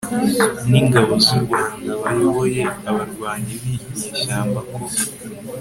n ingabo z u Rwanda bayoboye abarwanyi b inyeshyamba ko